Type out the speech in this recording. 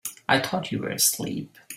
I thought you were asleep.